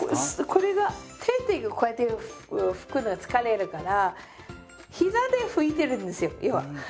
これが手でこうやって拭くのは疲れるから膝で拭いてるんですよ要は。